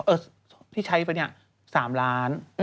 เอ่ยที่ใช้เป็นเนี่ย๓ล้าน